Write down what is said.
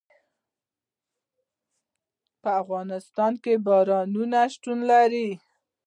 په افغانستان کې باران شتون لري.